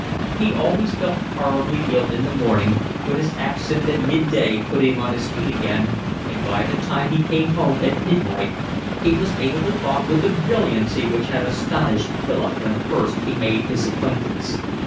He always felt horribly ill in the morning, but his absinthe at mid day put him on his feet again, and by the time he came home, at midnight, he was able to talk with the brilliancy which had astonished Philip when first he made his acquaintance.